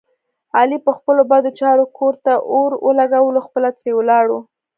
علي په خپلو بدو چارو کور ته اور ولږولو خپله ترې ولاړو.